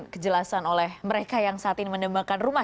kejelasan oleh mereka yang saat ini menembakkan rumah